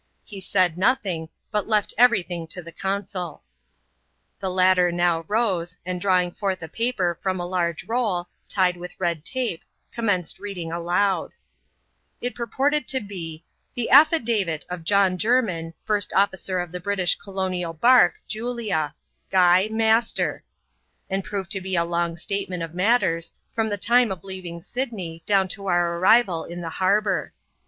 He said nothing, but left everything to the consul. The latter now rose, and drawing forth a paper from a large roll, tied with red tape, commeiwie^ i:e^^\x\^ ^Q>\x5i. [AF. XXXVI.] THE CONSUL AND CAPTAIN. 141 It purported to be, "The affidavit of John Jennin, first &cer of the British Colonial Barque, Julia ; Guy, Master;" id proved to be a long statement of matters, from the time of aving Sydney, down to our arrival in the harbour.